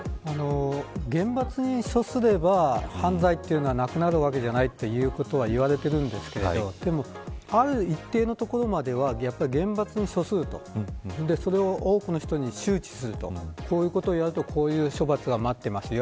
厳罰に処すれば犯罪というのはなくなるわけじゃないということは言われてますがある一定のところまでは厳罰に処するとそれを多くの人に周知するとこういうことをするとこういう処罰が待ってますよ。